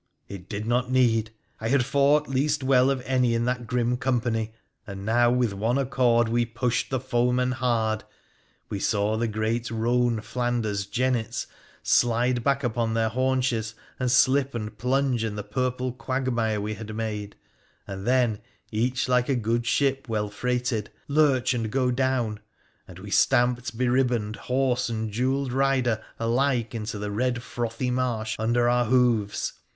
It did not need ! I hac fought least well of any in that grim company, and now, witl one accord, we pushed the foeman hard. We saw the grea roan Flanders jennets slide back upon their haunches, am slip and plunge in the purple quagmire we had made, an< then — each like a good ship well freighted — lurch and g< down, and we stamped beribboned horse and jewelled ride: alike into the red frothy marsh under our hoofs.